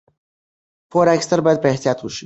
پور اخیستل باید په احتیاط وشي.